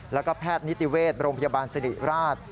แล้วก็แพทย์นิติเวชโรงพยาบาลสิริราช